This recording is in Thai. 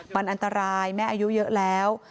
มันอันตรายแม่อายุเยอะแล้ว